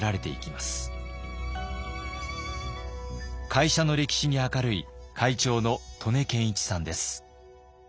会社の歴史に明るい会長の刀根健一さんです。